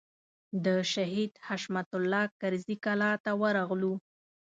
د شهید حشمت الله کرزي کلا ته ورغلو.